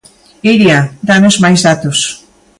Iria, danos máis datos.